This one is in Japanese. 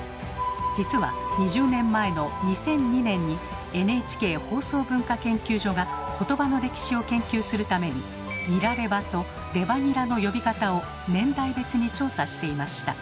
実は２０年前の２００２年にＮＨＫ放送文化研究所が言葉の歴史を研究するために「ニラレバ」と「レバニラ」の呼び方を年代別に調査していました。